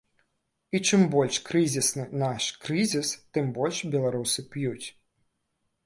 І чым больш крызісны наш крызіс, тым больш беларусы п'юць.